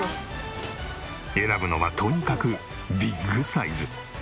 選ぶのはとにかくビッグサイズ。